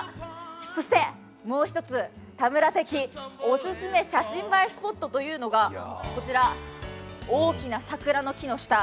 そしてもう一つ、田村的オススメ写真映えスポットというのがこちら、大きな桜の木の下。